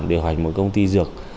điều hành một công ty dược